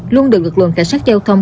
luôn được lực lượng cảnh sát giao thông